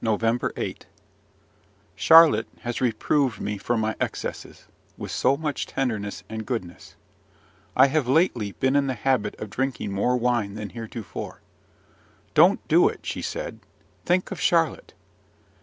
NOVEMBER 8. Charlotte has reproved me for my excesses, with so much tenderness and goodness! I have lately been in the habit of drinking more wine than heretofore. "Don't do it," she said. "Think of Charlotte!"